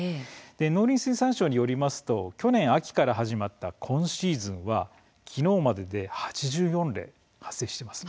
農林水産省によりますと去年秋から始まった今シーズンは昨日までで８４例発生しています。